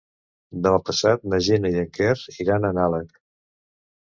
Demà passat na Gina i en Quer iran a Nalec.